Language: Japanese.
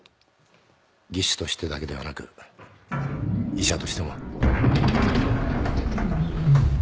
技師としてだけではなく医者としても。